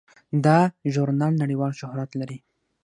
دا ژورنال نړیوال شهرت لري.